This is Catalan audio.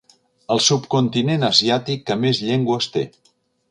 El subcontinent asiàtic que més llengües té.